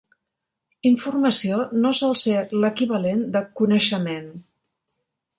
"Informació" no sol ser l'equivalent de "coneixement".